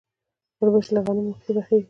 وربشې له غنمو مخکې پخیږي.